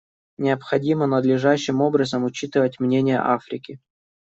Необходимо надлежащим образом учитывать мнение Африки.